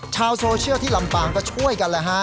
ชาวโซเชียลที่ลำปางก็ช่วยกันแล้วฮะ